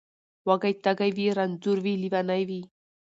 وږی تږی وي رنځور وي لېونی وي